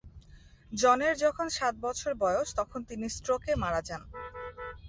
জনের যখন সাত বছর বয়স তখন তিনি স্ট্রোকে মারা যান।